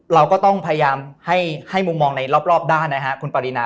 เราก็ต้องพยายามให้มุมมองในรอบด้านนะฮะคุณปรินา